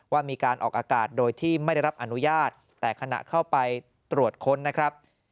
ว่ามีการออกอากาศโดยที่ไม่ได้รับอนุญาตแต่ขณะเข้าไปตรวจค้นนะครับ